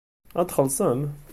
Ad xellṣem?